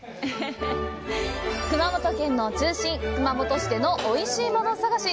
熊本県の中心、熊本市でのおいしいもの探し。